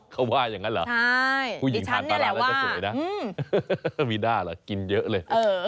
เขาว่าอย่างนั้นเหรอผู้หญิงทานปลาร้าแล้วจะสวยนะมีด้าเหรอกินเยอะเลย